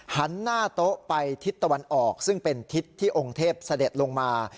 หันหน้าโต๊ะไปทิศตะวันออกซึ่งเป็นทิศที่องค์เทพเสด็จลงมา